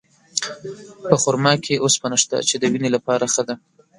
په خرما کې اوسپنه شته، چې د وینې لپاره ښه ده.